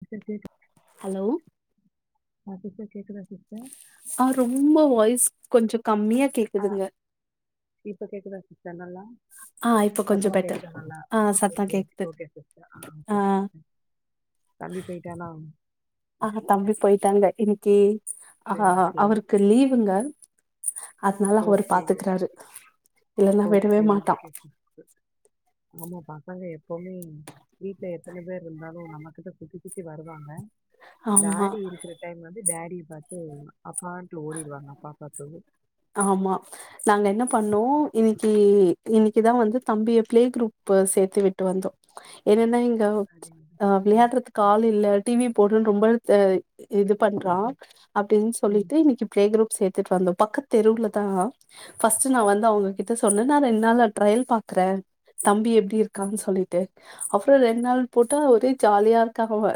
Hello கேக்குதுங்க hello ஆ sister கேக்குதா சிஸ்டர் ஆ ரொம்ப வாய்ஸ் கொஞ்சோம் கம்மியா கேக்குதுங்க இப்ப கேக்குதா சிஸ்டர் நல்லா ஆ இப்போ கொஞ்சோ சத்தமா பெட்டர் கேக்குதா நல்லா ஆ ஆமா சத்தா ஓகே கேக்குது ஓகே சிஸ்டர் ஆ ஓகே தம்பி போயிட்டானா ஆ தம்பி போயிட்டாங்க இன்னைக்கு ஆ சரி சரி அவருக்கு லீவ் ங்க அதனால அவரு ஓகே பாத்துக்றாரு இல்லன்னா விடவே ஓகே மாட்டா ஓகே சிஸ்டர் ஆமா பாக்காங்க எப்பவுமே வீட்ல எத்தனை பேர் இருந்தாலு நம்மகிட்ட சுத்தி சுத்தி வருவாங்க ஆமா டேடி இருக்கிற டைம் வந்து டேடிய பாத்து அப்பான்ட் ஓடிடுவாங்க அப்பா பாத்தது ஆமா நாங்க என்ன பண்ணோ இன்னைக்கு இன்னைக்குதா வந்து தம்பிய பிளே குரூப் சேத்து விட்டு வந்தோம் என்னன்னா இங்க அது அ வெளடுறதுக்கு ஆள் இல்ல டிவி போடுன்னு ரொம்ப இது பண்றா அப்டின் ம் சொல்லிட்டு இன்னைக்கு பிளே குரூப் சேத்துட்டு வந்தோம் பக்க தெருவுலதா ஃபர்ஸ்ட் நா வந்து அவுங்ககிட்ட சொன்னே நா ரெண்டு நாள் ட்ரயல் பாக்றே தம்பி எப்டி இருக்கான் சொல்லிட்டு அப்றோம் ரெண்டு நாள் போட்டா ஒரே ஜாலியா இருக்கா அவே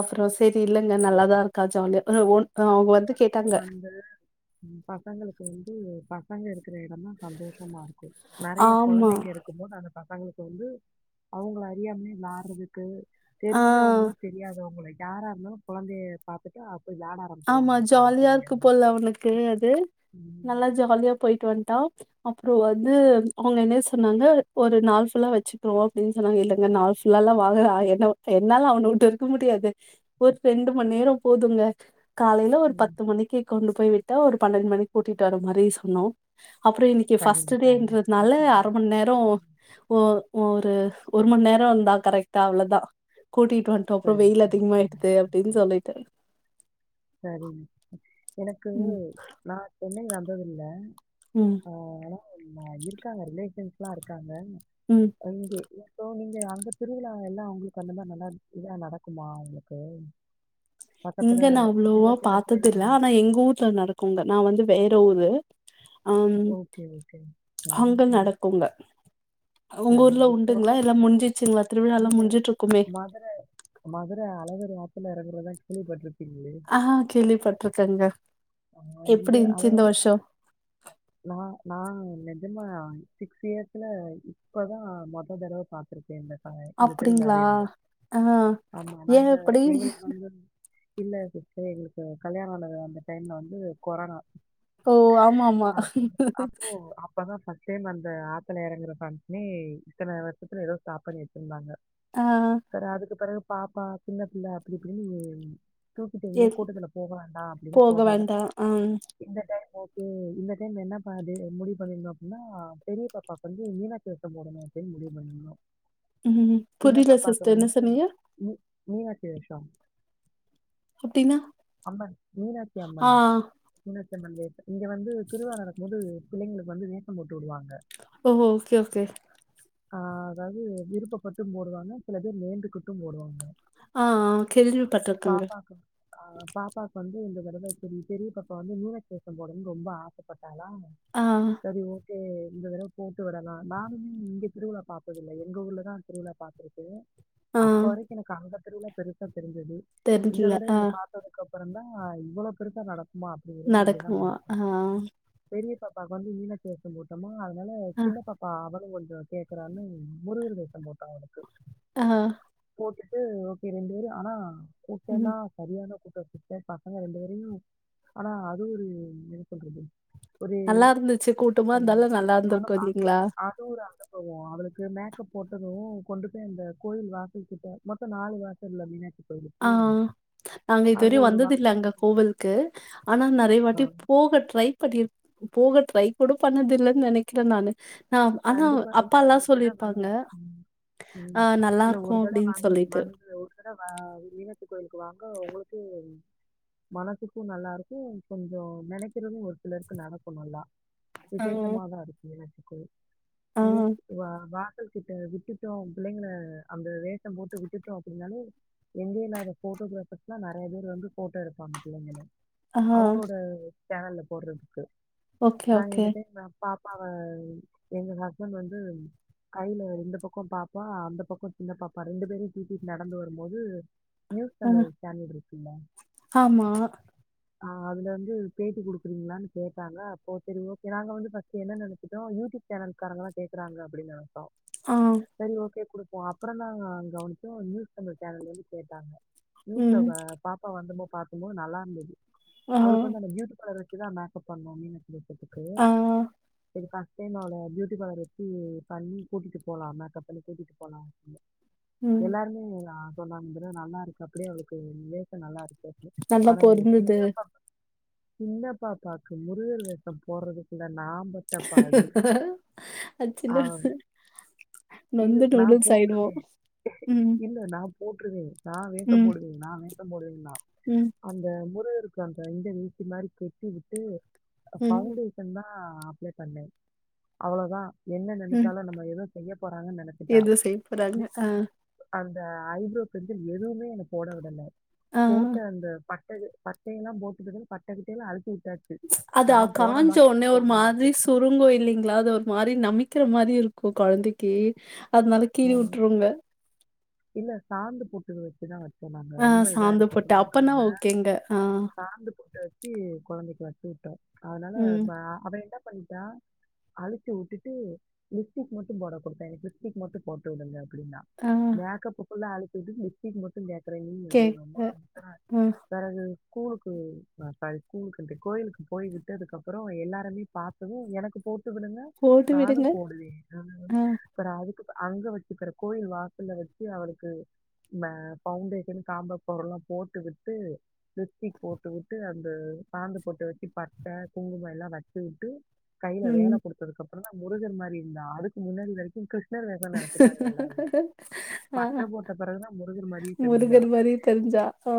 அப்றோ சரி இல்லங்க நல்லாதா இருக்கா ஜாலியா அ ஒன் அவங்க வந்து கேட்டாங்க க ம் பசங்களுக்கு வந்து பசங்க இருக்கிற எடந்தா சந்தோஷமா இருக்கு நெறைய ஆமா கொழந்தைங்க இருக் கும்போது அந்த பசங்களுக்கு வந்து அவுங்கள அறியாமலே விளாட்றதுக்கு ஆ தெரிஞ்சவங்களோ தெரியாதவங்களோ யாரா இருந்தாலு கொழந்தைய பாத்துட்டா அப்ப வாடா ஆமா ஜாலியா இருக்கு போல அவனுக்கு அது ம், நல்லா ஜாலியா போயிட்டு வந்ட்டா அப்புறோ வந்து அவுங்க என்ன சொன்னாங்க ஒரு நாள் ஃபுல்லா வச்சுக்றோ அப்டின் சொன்னாங்க இல்லங்க நாள் லல்லா வாங்குறா என்ன என்னால அவன வுட்டு இருக்க முடியாது ஒரு ரெண்டு மண் நேரோ போதுங்க காலைல ஒரு ம். பத்து மணிக்கு கொண்டு போய் விட்டா ஒரு பன்னெண்டு மணிக்கு கூட்டிட்டு வர மாரி சொன்னோ அப்புறோ இன்னைக் கி ஃபர்ஸ்ட் சரிங்க, சரிங்க டேன்றனால சிஸ்டர். ஆ, அர மண் நேரோ ஓ ஒரு ஒரு மண் நேரோ இருந்தா கரெக்டா அவ்ளதா கூட்டிட்டு வந்ட் டோ அப்றோ சரி, வெயில் சரி, சரிங்க. அதிகமாயிடுது அப்டின் சொல்லிட்டு சரிங்க எனக்கு ம் நா சென்னை வந்தது இல்ல ம் ஆ ஆனா இருக்காங்க ரிலேஷன்ஸ்லா இருக்காங்க ம் இங்கே இப்போ நீங்க அங்க திருவிழா எல்லா உங்ளுக்கு அந்ததா நல்லா இதா நடக்குமா உங்ளுக்கு பக்கத்துல சின்ன பொதுவா சின்ன பாத்தது கோயில் அந்த இல்ல மாதிரி. ஆனா எங்க ஊர்ல நடக்குங்க நா வந்து வேற ஊரு அம் ஓகே, ஓகே. ம், அங்க ம். நடக்குங்க உங்க சரி. ஊர்ல இப்போ உண்டுங்ளா இல்ல முஞ்சிச்சுங்ளா திருவிழா எல்லா முஞ்சிட் இருக்குமே குதிர மதுர அழகர் ஆத்துல இறங்ரத கேள்விப்பட்ருப் பீங்ளே ஆ கேள்விப்பட்ருக்கேங்க ஆ இங்க எப்டி இருந்துச்சு இந்த அதாவது வருஷோ நா நா நெஜமா சிக்ஸ் இயர்ஸ்ல இப்பதா மொத தடவ பாத்ருக் இந்த டை இந்த திருவிழா அப்டிங்களா வேல்ல இரு ஆ ஆமா ஏ நாங்க அப்டி எங்ளுக் வந்து இல்ல சிஸ்டர் எங்ளுக்கு கல்யாணோ ஆன அந்த டைம்ல வந்து கொரோனா ஓ ஆமாம் அப்ப அப்போ அப்பதா ஃபஸ்ட் டைம் அந்த ஆத்துல எறங்குற பங்சனே இத்தன வருஷத்துல ஏதோ ஸ்டாப் பண்ணி வச்சிருந்தாங்க ஆ ஆ பெற அதுக்கு பெறகு பாப்பா சின்ன பிள்ளை அப்டி இப்டின்னு எ தூக்கிட்டே கூட்டத்துல போக வேண்டா அப்டின் போக போகல வேண்டா ஆ இந்த டைம் ஓகே இந்த டைம் என்ன ப இது முடிவு பண்ணிருந்தோ அப்டினா பெரிய பாப்பாவுக்கு வந்து மீனாட்சி வேசோ போடணு அப்டின் முடிவு பண்ணி இருந்தோ ம்ம் புரியில சிஸ்டர் என்ன வந்து சொன்னீய மீ மீனாட்சி வேஷோ அப்டின்னா அம்மன் மீனாட்சி ஆ அம்மன் மீனாட்சி அம்மன் வேசோ இங்க வந்து திருவிழா நடக்கும் போது பிள்ளைங்களுக்கு வந்து வேசம் போட்டு வுடுவாங்க ஓஹோ ஓகே ஓகே ஆ அதாவ்து விருப்பப்பட்டும் போடுவாங்கா சில பேர் வேண்டுகிட்டும் போடுவாங்க ஆ ஆ கேள்விப்பட்ருக்கேங்க பாப்பாக்கு ஆ பாப்பாக்கு வந்து இந்த தடவ சரி பெரிய பாப்பா வந்து மீனாட்சி வேசம் போடனுன் ரொம்ப ஆசப்பட்டாளா ஆ சரி ஓகே இந்த தடவை போட்டு விடலா நானுமே இங்க திருவிழா பாத்ததில்லை எங்க ஊர்ல தா திருவிழா பாப் த்திருக்கே ஆ அப்ப வரைக்கு எனக்கு அங்க திருவிழா பெருசா தெரிஞ்சது இந்த தெரிஞ்சுல தடவை ஆ இங்க பாத் ததுக்கு அப்பற தா இவ்வளவு பெருசா நடக்குமா அப்டிங்கிறது இங்கதா நடக்குமா? பாத் ஆ. பெரிய பாப்பாவுக்கு வந்து மீனாட்சி வேஷம் போட்டோமா அதனால அ, சின்ன பாப்பா அவளு கொஞ்சோ [unintelligible] இருக்கிறானு முருகரு வேசம் போட்டே அவளுக்கு ஆ போட்டுட்டு ஓகே ரெண்டு பேரு ஆனா கூட்டோனா ம். சரியான [unintelligible] ஆ பசங்க ரெண்டு பேரையு ஆனா அது ஒரு என்ன சொல்றது ஒரு நல்லா இருந்துச்சு. கூட்டமா அ இருந்தாலும் நல்லா அனு இருந்திருக்கும் அது ஒரு இல்லீங்களா? அ அது ஒரு அனுபவோ அவளுக்கு மேக்கப் போட்டது கொண்டு போயி அந்த கோயில் வாசல்கிட்ட மெத்த நாலு வாசல்ல மீனாட்சி ஆ கோயிலுக்கு. நாங்க இதுவரையு அதுல ஒரு வந்தது இல்ல வாசல் அங்க கிட்ட கோவிலுக்கு ஆனா நெறைய ஆ. வாட்டி போக ட்ரை பண்ணிர் போக ட்ரை கூட பண்ணதில்ல நெனக்கிறே நானு ந ஆனா கண்டிப்பா. இல்ல அப்பால்லா ஒரு தடவ வந்து சொல்லிருப்பாங்க ம், ம். அ நல்லா இருக்கு அப்டின்னு சொல்லிட்டு மேடம் மீனாட்சி கோயிலுக்கு வாங்க உங்களுக்கே மனசுக்கு நல்லா இருக்கு கொஞ்சோ நெனைக்கிறது ஒரு சிலருக்கு நடக்கு நல்லா ஆ, விசேஷமா தா இருக்கு மினாட்சிகோயில் ஆ, வீட் வாசலுக் கிட்ட விட்டுட்டோ பிள்ளைங்கள அந்த வேஷ போட்டு விட்டுட்டோ அப்டின்னாலே எங்கே இல்லாத போட்டோகிராபர்ஸ்ல்லா நெறைய பேர் வந்து போட்டோ எடுப்பாங்க பிள்ளைங்களே ஆ. அவங்களோட சேனல்ல போடுறதுக்கு ஓகே, நாங்க ஓகே. இந்த டைம் பாப்பாவே எங்க ஹஸ்பண்ட் வந்து கைல இந்த பக்க பாப்பா அந்த பக்க சின்ன பாப்பா ரெண்டு பேரயு தூக்கிட்டு நடந்து வரும் போது நியூஸ் ஆ. தமிழ் சேனல் இருக்குல ஆமா. ஆ அதுல வந்து பேட்டி குடுக்குறீங்களான்னு கேட்டாங்க அப்போ சேரி ஓகே நாங்க வந்து பாத்திங்கன்னா என்ன நெனைச்சிட்டோ யூடியூப் சேனல் காரங்கத கேக்குறாங்க அப்டின்னு நெனைச்சோ ஆ. சேரி ஓகே குடு ஒ அப்பற தா கவனிச்சோ நியூஸ் தமிழ் சேனல் வந்து கேட்டாங்க நியூஸ்ல ம். ஆ பாப்பா வந்த போது பாக்கும்போது நல்லா இருந்தது ஆ, அவளுக்கு வந்து அந்த பியூட்டி பார்லர் வச்சுதா மேகப் பண்ணோ மீனு ஆ. [unintelligible] செரி கசினோட பியூட்டி பார்லர் வச்சு பண்ணி கூட்டிட்டு போலா மேக்கப் பண்ணி கூட்டிட்டு போலா ம். எல்லாருமே தா சொன்னாகிறது நல்லா இருக்கு அப்டியே அவளுக்கு வேச நல்லா இருக் [unintelligible] நல்லா ஆனா எங்க பொருந்துது. சின்னாப்பா சின்னப்பாப்பாக்கு முருகர் வேஷம் போறதுக்குள்ளே நா பட்ட பாடு. அவ [unintelligible] இது நொந்து நா நூடுல்ஸ் ஆயிடுவோம். போட்டுறுவே ம், இல்ல நா போட்டுருவே நா மேகப் ம், போடுவே நா மேகப் போடுவேன்னா ம், அந்த முருகருக்கு அந்த இந்த ஈட்டி மாரி குத்தி விட்டு ம், பவுண்டே சன் தா அப்ளே பண்ணே அவ்வளோதா என்ன ம். நெனைச்சாலலோ என்னமோ ஏதோ செய்ய போறாங்கன்னு நெனைச்சிட்டா எது செய்ய போறாங்க? ஆ, அந்த ஐப்ரோ பென்சில் எதுமே என்ன போட விடல ஆ. போட்ட அந்த பட் பட்ட பட்டையெல்லா போட்டுகிறது பட்ட கிட்டயெல்லா அழிச்சு விட்டாச்சு அதா நான் போட காஞ்சோ மாட்டேன், உன்னே நான் ஒரு போட மாட்டேன். மாதிரிஸ் சுருங்கு இல்லிங்களா அது ஒரு மாரி நமிக்கிற மாரி இருக்கு கொழந்தைக்கி அதனால அ கீழ வுட்ருங்க இல்ல சாந்து பொட்டு வெச்சுதா வெச்சே இப்ப நாங்க ஆ ரொம்ப இதா சாந்து இருக்க போட்டு. அப்பன்னா கூடாதுக்காக ஓகேங்க. ஆ, சாந்து பொட்டு ச்சி கொழந்தைக்கு வெச்சு விட்டோ அதனால ம், அவ என்ன பண்ட்டா அழிச்சு வுட்டுட்டு லிப்ஸ்டிக் மட்டு போட குடுத்தே எனக்கு லிப்ஸ்டிக் மட்டு போட்டு வுடுங்க அப்டீன்னா அ மேக்கப்பு ஃபுல்லா அளிச்சு வுட்டுட்டு லிப்ஸ்டிக் மட்டு கேக்குற நீ அப்டீன்னம்மா கேக்குது. முத்துற ஆ பெறகு ஸ்கூலுக்கு சாரி ஸ்கூலுக்கு கோயிலுக்கு போய்விட்டு அதுக்கப்பறோ எல்லாருமே பாத்தது எனக்கு போட்டு விடுங்க போட்டு நானு விடுங்க. போடுவே ஆ, அப்பறோ அதுக்கு அங்க வெச்சுப்புற கோயில் வாசல்ல வெச்சு அவளுக்கு இந்த பவுண்டேஷன் காம்பேக்ட் பவுடரு எல்லா போட்டு விட்டு லிப்ஸ்டிக் போட்டு வுட்டு அந்த சாந்து பொட்ட வெச்சு பட்ட குங்குமோ எல்லா வெச்சு வுட்டு கையில ம். வேல குடுத்ததுக்கு அப்புறோந்தா முருகர் மாரிந்தா அதுக்கு முன்னாடி வெரிக்கோ கிரிஷ் ணர் வேஷோனு நெனச்சிட்டாங்க எல்லாருமே [inaudible] பட்ட போட்ட பெறகுதா முருகர் மாரியே தெரிஞ்சா முருகர் மாரி தெரிஞ்சா. ஆ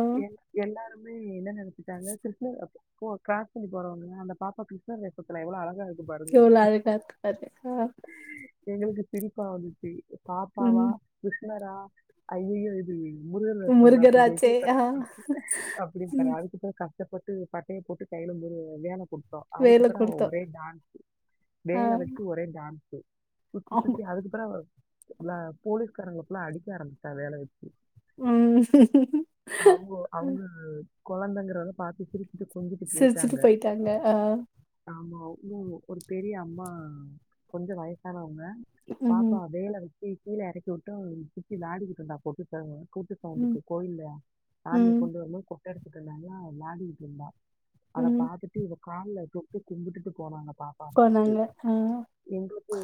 எ ல்லாருமே என்ன நெனச்சுட்டாங்க கிருஷ்ணர் கோ க்ராஸ் பண்ணி போறவங்க அந்த பாப்பா கிருஷ்ண வேசத்துல எவ்வளோ அழகா இருக்கு பாருங்க." எவ்ளோ அழகா இருக்கு பாரு அ எங்களுக்கு சிரிப்பா வந்துச்சு பாப்பாவா ம். கிருஷ்ணரா ஐய்யயோ இது முருகர் வேஷந்தா அப்டீனு முருகராச்சே. ஆ, சொல்ட்டு [unintelligible] அப்டி ம். பெறவு அதுக்கு பெறவு ட்ட கஷ்டப்பட்டு பட்டைய போட்டு கையில ஒரு வேல கொடு வேல அதுக்குப்புறோ அவ குடுத்தோம். ஒரே டான்ஸ்சு ஆ, வேல வெச்சு ஒரே டான்ஸ்சு சுத்தி ஆமா. சுத்தி அதுக்குப்புறோ போலீஸ்காரங்கல்லா அடிக்க ஆரம்ப்சிச்சா வேல வெச்சு ம். அவுங்க அவுங்க கொழந்தைங்கிறத பாத்துட்டு சிரிச் சிட்டு கொஞ்சிட்டு சிரிச்சுட்டு போயிட்டாங்க ஆ. ஆமா ஒன்னு ஒரு பெரிய அம்மா கொஞ்சோ வயசானவங்க ம். பாப்பா வேல வெச்சு கீழே எறக்கி வுட்டு அவ சுத்தி வெளாடிகிட்டு இருந்தா போட்டு கூ ம். உக்கு கோயில்ல சாமிய ம். கொண்டு வந்து கொட்ட எடுத்துட்டு இருந்தாங்கலா வெளாடிட்டு இருந்தா அத ம். பாத்துட்டு இவ கால்ல தொட்டு கும்பிட்டுட்டு போனாங்க பாப்பா பாத்துட்டு போனாங்க. ஆ. எங்குளுக்கு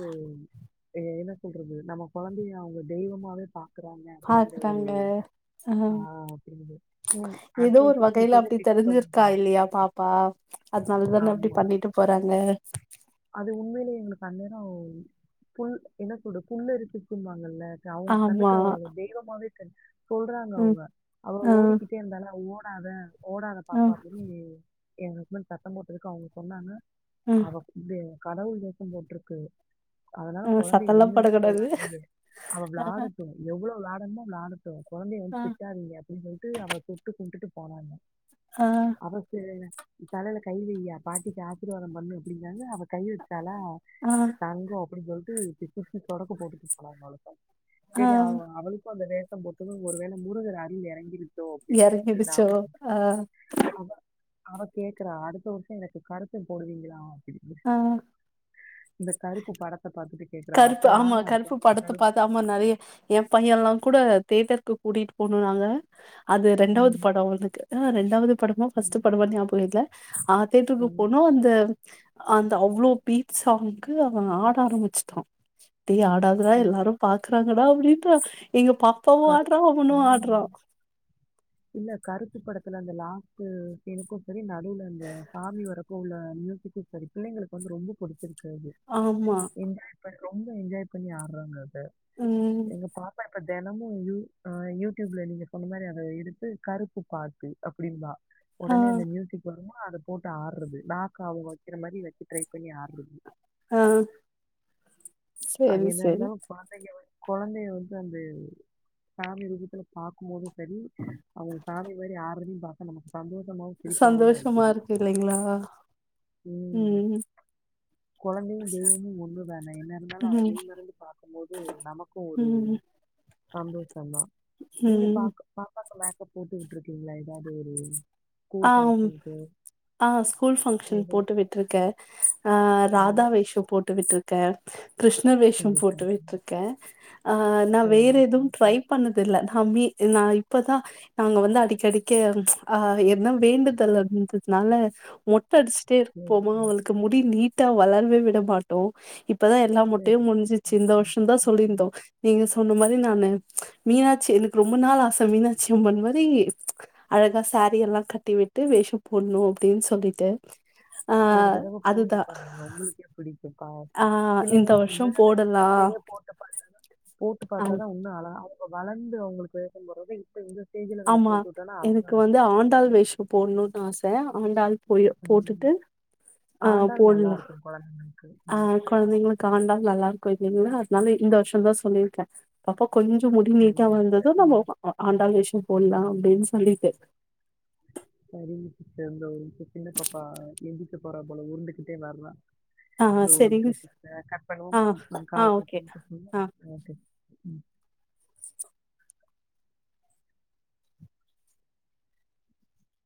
என்ன சொல்றது நம்ம கொழந்தைய அவுங்க தெய்வமாவே பாக் குறாங்க அப்டீங்கற ஒரு பார்க்குறாங்க. ஆ அப்டீங்கள நீ ஏதோ அடுத்த ஒரு வர்ஷத்துக்கு இப்பவே ஃபிக்ஸ் பண்ணிட்டா பாவோ அதனாலதானே அப்புடி ஆமா. பண்ணிட்டு போறாங்க அது உண்மையிலயே எங்குளுக்கு அந்த நேரோ புல் என்ன சொல்றது புல் அரிச்சுருக்கும்பாங்கல்ல அவுங்க ஆமா. கண்ணுக்கு அவ தெய்வமாவே தெரிஞ்சா சொல்றாங்க ம். அவுங்க அவ ஆ. ஓடிக்கிட்டு ஓடிட்டேர்ந்தாளா ஓடாத ஓடாத ஆ. பாப்பா எங்க ஹஸ்பண்ட் சத்தம் போட்டதுக்கு அவுங்க சொன்னாங்கா ஆ. அவ இந்த கடவுள் வேசம் போட்ருக்கு அதனால ஆ. கொழந்தைய சத்தம்லாம் ஒண்ணுமே போடக்கூடாது. சொல்லாதீங்க அவ வெளாடட்டோ எவ்வளோ வெளாடனுமே வெளாடட்டோ கொழந்தய ஆ. வந்து திட்டாதீங்க அப்டீன்னு சொல்லிட்டு அவ தொட்டு கும்டுட்டு போனாங்க ஆஹ் அடுத்து தலைல கை வெய்யா பாட்டிக்கு ஆசீர்வாதோ பண்ணு அப்டீனாங்க அவ கை வெச்சாலா ஆ. தங்கோ அப்டீன்னு சொல்ட்டு சுத்தி சொடக்கு போட்டுட்டு போனாங்க அவளுக்கோ ஆ. செரி அவ அவளுக்கோ அந்த வேஷோ போட்டதோ ஒரு வேல முருகர் அருள் எறங்கிருச் சோ அப்டின் நெனச்சுட்டு இறங்கிடுச்சோ? நாமு ஆ. அவ அவ கேக்குறா அடுத்த வருஷோ எனக்கு கரப்பன் போடுவீங்களா அப்டின்னு ஆ இந்த கருப்பு படத்த பாத்துட்டு கேக்குறா கருப்பு அப்ப ஆமா. நானு அடுத்த கருப்பு வருஷோ படத்த கருப் பார்த்து ஆமா நெறைய எ பையே எல்லா கூட தேட்டருக்கு கூட்டிட்டு போணோ நாங்க அது ரெண்டாவது ம், படோ அவனுக்கு ஆ ரெண்டாவது படமா ஃபஸ்ட்டு ம், படமா ஞாபகோ இல்ல அ தேடருக்கு போனா அந்த அந்த அவ்ளோ பீட் சாங்க்குக்கு அவெ ஆட ஆரம்பிச்சு டா டேய் ஆடாதடா ம். எல்லாரு பாக்குறாங்கடா அப்டின்னா எங்க பா கருப்பு ம் இல்ல கருப்பு படத்துல அந்த லாஸ்டு சீனுக்கு சரி ந நடூல அந்த சாமி வறக்கு உள்ள மியூசிக்கு சரி பிள்ளைங்களுக்கு வந்து ரொம்ப புடுச்சுருக்கு அது ஆமா என்ஜாய் பண்ண ரொம்ப என்ஜாய் பண்ணி ஆற்றாங்க அத ம் எங்க பாப்பா இப்ப தெ தெனமு யு அ யூடியூப்ல நீங்க சொன்ன மாரி அத எடுத்து கருப்பு பாட்டு அப்புடிம்பா ஆ ஒடனே அந்த மியூசிக் வருமா அத போட்டு ஆட்றது நாக்க அவுங்க வைக்கிற மாரி வச்சு ட்ரை பண்ணி ஆட்றது அ அது என்ன இருந்தாலு கொழந்தைங்க வந்து கொழந்தைய வந்து அந்த ஃபேமிலி ரூபத்துல பாக்கும்போது சரி அவுங்க சாமி மாரி ஆட்றதையு பாக்க நமக்கு சந்தோஷமாவு சிரிப்பாவு தா சந்தோஷமா இருக்குது இருக்கு இல்லைங்களா ம் கொழந்தையு தெய்வமு ஒண்ணுதான என்ன இருந்தாலு அ ம் வலிமறந்து பாக்கும் போது நமக்கு ஒரு ம் சந்தோஷந்தா நீங்க ம் பாக்கு பாப்பாக்கு மேக்கப் போட்டு விட்ருக்கீங்களா எதாவது ஒரு ஸ்கூல் ஆமா ஃபங்ஷனுக்கு ஆ ஸ்கூல் ஃபங்ஷனுக் எதோ போட்டு விட்ருக்கே ஆ ம். ராதா வேஷோ போட்டு விட்ருக் கே கிருஷ்ண வேஷோ சரி போட்டு சார். விட்ருக்கே ஆ நா வேற சரிங்க. எது ட்ரை பண்ணதில்ல நாமி நா இப்பதா நாங்க வந்து அடிக்க அடிக்க ஆ எ என்ன வேண்டுதல் அப்டின்றதுனால மொட்ட அடுஸ்ட்டே சரி, இருப்பமா அவளுக்கு முடி நீட்டா வளரவே விட மாட்டோ இப் இப்பதா எல்லா மொட்டையு சரி சார். முடிஞ்சிற்ச்சு இந்த வர்ஷந் தா சொல்லியிருந்தோ நீங்க சொன்ன மாரி நானு மீனாட்சி எனக்கு ரொம்ப நாள் ஆச மீனாட்சி அம்மன் மாரி அழகா சாரீ எல்லா கட்டிவிட்டு வேஷோ போடணு அப்டின் சொல்லிட்டு ஆ ஒரு தடவ போட்டு அதுதா பாருங்க ஒங்களுக்கே பிடிக்கும்ப்பா ஆ இந்த பிள்ளைங்களுக்கு வருஷோ வந்து அந்த போடலா சின்ன பிள்ளேலயே போட்டு பாத்தா தா போட்டு ஆ பாத்தாதான் வுன்னு அழகா அவுங்க வளந்து அவுங்களுக்கு வேசம் போற்றது இப்ப இந்த ஸ்டேஜுல நம்ம போட்டு வுட்டோனா அழகா இருக்கு டாள் வேஷோ போடணுன் ஆச ஆண்டாள் போயோ ம். போட்டுட்டு அ ஆண்டாள் நல்லா போட்லா இருக்கும் குழந்தைங்களுக்கு அ ம் கொழந்தைங்களுக்கு ஆண்டாள் நல்லாருக்கு இல்லைங்களா அதுனால இந்த வர்ஷோந் தா சொல்லிருக்கே பாப்பா கொஞ்சோ முடி நீட்டா சரிங்க வந்தது சிஸ்டர் ம் நம்ம ஆண்டாள் வேஷோ போடலா அப்டின் சொல்லிட்டு சரிங்க சிஸ்டர் இந்த ஒர் நிம்ஷோ சின்ன பாப்பா எந்திரிக்க போறா போல உருண்டுகிட்டே வர்ரா ஆ இந்த ஒர் செரிங்க நிம்ஷோ சிஸ்டர் கட் ஆ பண்ணுவோமா நா ஆ கால கொஞ்சோ ஓகே நேரோ கூப் பண்ணுவோமா ஆ ஓகே ம்